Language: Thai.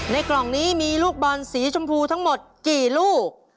กล่องนี้มีลูกบอลสีชมพูทั้งหมดกี่ลูก